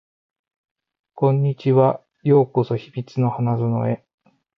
こんにちは。ようこそ秘密の花園へ